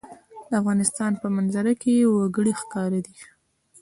د افغانستان په منظره کې وګړي ښکاره ده.